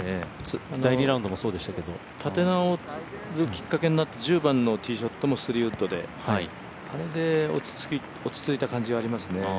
第２ラウンドもそうでしたけど立ち直るきっかけになって１０番のティーショットも３ウッドであれがきっかけになりましたね。